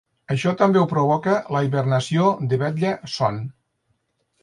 Això també ho provoca la hibernació de vetlla-son.